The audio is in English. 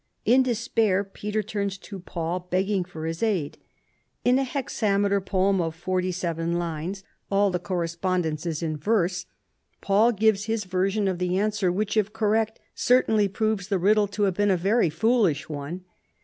In despair Peter turns to Paul, begging for his aid. In a hexameter poem of forty seven lines ( all the corre 19 290 CHARLEMAGNE. spondence is in verse) Paul gives bis version of the answer, which, if correct, certainly proves the riddle to have been a very foolish one.